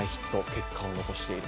結果を残している。